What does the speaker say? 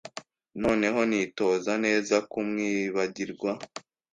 noneho Nitoza neza kumwibagirwa